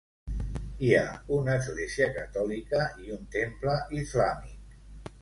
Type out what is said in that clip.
Hi ha una església catòlica i un temple islàmic.